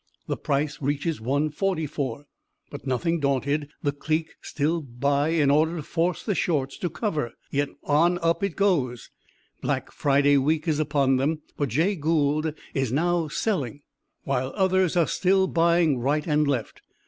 The price reaches 144, but nothing daunted, the clique still buy in order to force the shorts to cover; yet on up it goes. Black Friday week is upon them, but Jay Gould is now selling while others are still buying right and left.